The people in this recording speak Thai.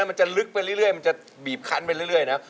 มันจะลึกไปเรื่อยมันจะบีบคันไปเรื่อยนะ